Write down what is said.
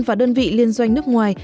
và đơn vị liên doanh nước ngoài